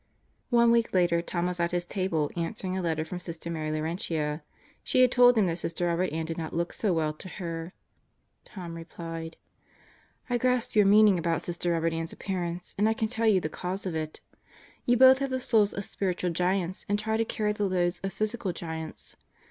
... One week later Tom was at his table answering a letter from Sister Mary Laurentia. She had told him that Sister Robert Ann did not look so well to her. Tom replied: I grasp your meaning about Sister Robert Ann's appearance, and I can tell you the cause for it. You both have the souls of spiritual giants and try to carry the loads of physical giants.